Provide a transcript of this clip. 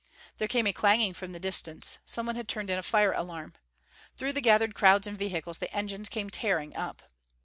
There came a clanging from the distance: someone had turned in a fire alarm. Through the gathered crowds and vehicles the engines came tearing up.